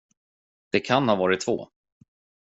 Det kan ha varit två.